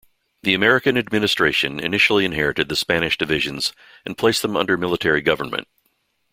The American administration initially inherited the Spanish divisions and placed them under military government.